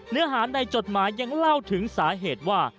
เนื้อหาในจดหมายยังเล่าถึงสาเหตุว่า